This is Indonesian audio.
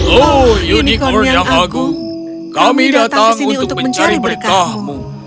oh unicorn yang agung kami datang ke sini untuk mencari berkatmu